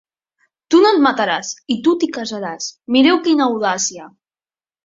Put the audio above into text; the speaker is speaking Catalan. Tu no et mataràs, i tu t'hi casaràs. Mireu quina audàcia!